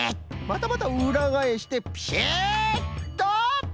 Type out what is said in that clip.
またまたうらがえしてピシッと！